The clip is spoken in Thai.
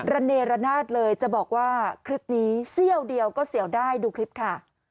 ระเนรนาศเลยจะบอกว่าคลิปนี้เสี้ยวเดียวก็เสี่ยวได้ดูคลิปค่ะ